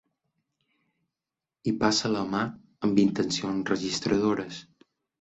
Hi passa la mà amb intencions registradores.